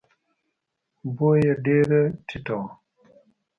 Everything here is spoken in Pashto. بویه یې ډېره ټیټه وه.